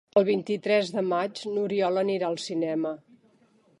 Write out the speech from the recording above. El vint-i-tres de maig n'Oriol anirà al cinema.